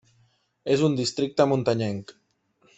És un districte muntanyenc.